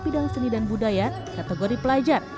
bidang seni dan budaya kategori pelajar